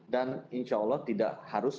dan insya allah tidak harus